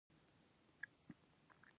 هر غږ د یوې ژبې په ژغورلو کې ونډه لري.